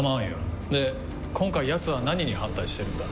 で今回ヤツは何に反対してるんだ？